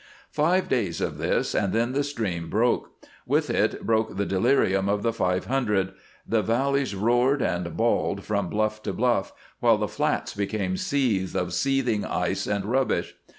Five days of this, and then the stream broke. With it broke the delirium of the five hundred. The valleys roared and bawled from bluff to bluff, while the flats became seas of seething ice and rubbish.